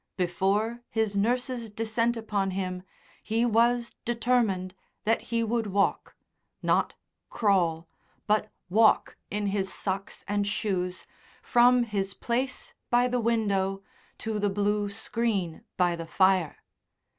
Before his nurse's descent upon him he was determined that he would walk not crawl, but walk in his socks and shoes from his place by the window to the blue screen by the fire.